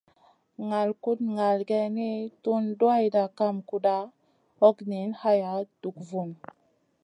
Ŋal kuɗ ŋal geyni, tun duwayda kam kuɗa, hog niyn haya, dug vun.